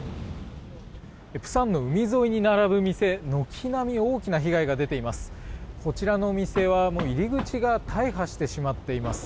釜山の海沿いに並ぶ店軒並み大きな被害が出ています。